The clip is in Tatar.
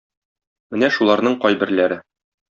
Менә шуларның кайберләре.